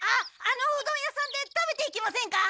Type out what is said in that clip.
あのうどん屋さんで食べていきませんか？